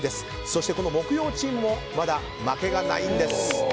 そして木曜チームもまだ負けがないんです。